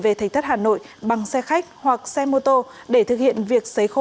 về thành thất hà nội bằng xe khách hoặc xe mô tô để thực hiện việc xấy khô